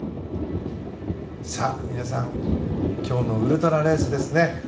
皆さん今日のウルトラレースですね。